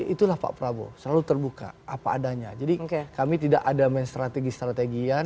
itulah pak prabowo selalu terbuka apa adanya jadi kami tidak ada main strategi strategian